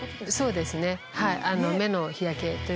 そうですね。